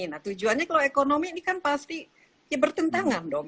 nah tujuannya kalau ekonomi ini kan pasti ya bertentangan dong